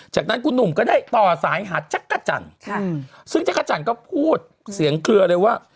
จากนั้นคุณหนุ่มก็ได้ต่อสายหาจักรจันทร์ซึ่งจักรจันทร์ก็พูดเสียงเคลือเลยว่า